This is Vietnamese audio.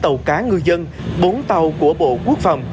bảy tàu cá người dân bốn tàu của bộ quốc phòng